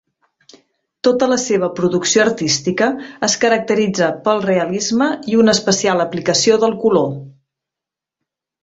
Tota la seva producció artística es caracteritza pel realisme i una especial aplicació del color.